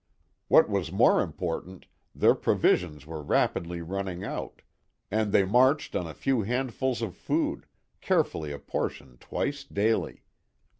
What was more important, their provisions were rapidly running out, and they marched on a few handfuls of food, carefully apportioned twice daily.